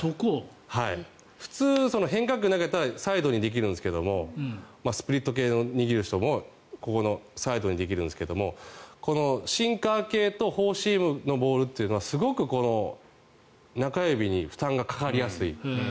普通、変化球を投げたらサイドにできるんですがスプリット系の握りをする人もここのサイドにできるんですがシンカー系とフォーシームのボールというのはすごくこの中指に負担がかかりやすい。